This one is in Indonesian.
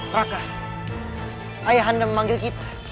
teraka ayah anda memanggil kita